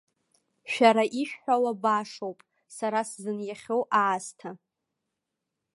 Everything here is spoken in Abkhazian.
Шәара ишәҳәауа башоуп, сара сзыниахьоу аасҭа.